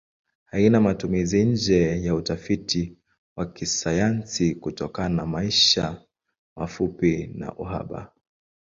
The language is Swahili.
Haina matumizi nje ya utafiti wa kisayansi kutokana maisha mafupi na uhaba.